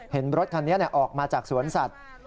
เห็นรถคันนี้ออกมาจากสวนสัตว์